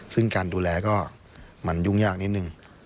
ซึ่งการดูแลก็มันยุ่งยากนิดนึง